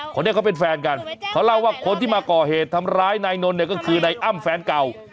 คนนี้เขาเป็นแฟนกันเขาเล่าว่าคนที่มาก่อเหตุทำร้ายนายนนท์เนี่ยก็คือนายอ้ำแฟนเก่า